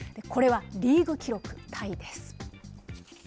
これはリーグ記録タイです。